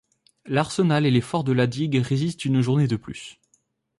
L’arsenal et les forts de la digue résistent une journée de plus.